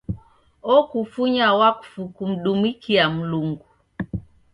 Okufunya wakfu kumdumikia Mlungu.